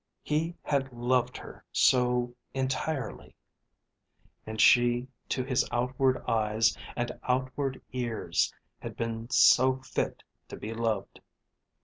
He had loved her so entirely; and she to his outward eyes and outward ears had been so fit to be loved!